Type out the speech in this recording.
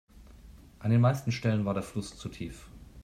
An den meisten Stellen war der Fluss zu tief.